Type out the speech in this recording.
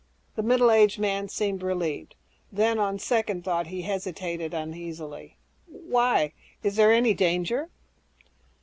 The middle aged man seemed relieved. Then, on second thought, he hesitated uneasily, "Why? Is there any danger?"